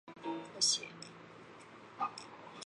安徽威灵仙为毛茛科铁线莲属下的一个种。